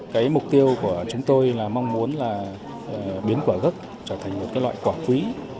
cái mục tiêu của chúng tôi là mong muốn là biến quả gốc trở thành một loại quả quý